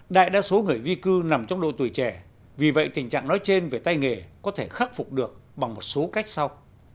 đại đa số người di cư nằm trong độ tuổi trẻ vì vậy tình trạng nói trên về tay nghề có thể khắc phục được bằng một số cách sau